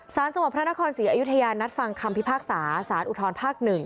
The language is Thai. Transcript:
สารจังหวัดพระนครศรีอยุธยานัดฟังคำพิพากษาสารอุทธรภาค๑